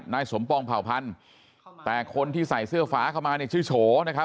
นายสมปองเผ่าพันธุ์แต่คนที่ใส่เสื้อฟ้าเข้ามาเนี่ยชื่อโฉนะครับ